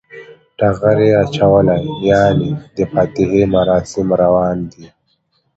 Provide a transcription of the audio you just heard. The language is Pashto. ټغر یی اچولی یعنی د فاتحی مراسم روان دی